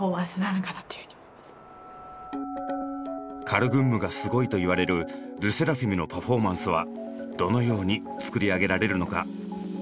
「カルグンム」がすごいと言われるＬＥＳＳＥＲＡＦＩＭのパフォーマンスはどのように作り上げられるのか。